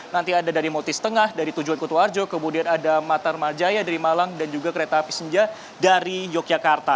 nanti ada dari motis tengah dari tujuan kutu arjo kemudian ada matarmajaya dari malang dan juga kereta api senja dari yogyakarta